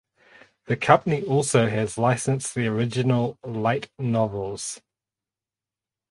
The company also has licensed the original light novels.